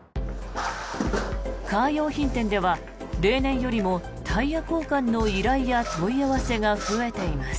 カー用品店では例年よりもタイヤ交換の依頼や問い合わせが増えています。